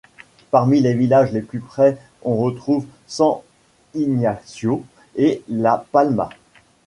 Parmi les villages les plus près on retrouve San Ignacio et La Palma.